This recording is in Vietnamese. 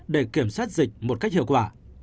để kiểm soát dịch một cách hiệu quả